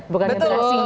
bukan generasi y